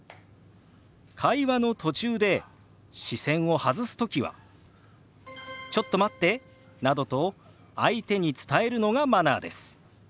会話の途中で視線を外すときは「ちょっと待って」などと相手に伝えるのがマナーです。